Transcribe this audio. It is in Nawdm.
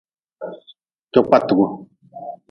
Jokpatgu.